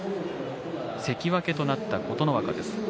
関脇となった琴ノ若です。